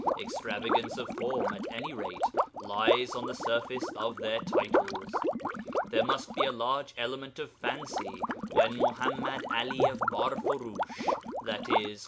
Extravagance of form, at any rate, lies on the surface of their titles. There must be a large element of fancy when Muḥammad 'Ali of Barfurush (i.e.